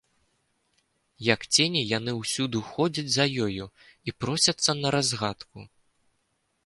Як цені, яны ўсюды ходзяць за ёю і просяцца на разгадку.